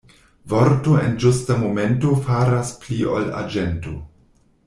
Vorto en ĝusta momento faras pli ol arĝento.